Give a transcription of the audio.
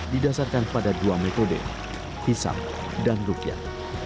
didasarkan pada dua metode hisap dan rukyat